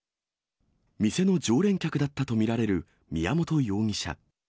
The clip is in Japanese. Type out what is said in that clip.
店の常連客だったと見られる宮本容疑者。